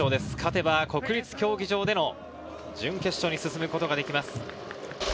勝てば国立競技場での準決勝に進むことができます。